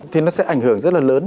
thì nó sẽ ảnh hưởng rất là lớn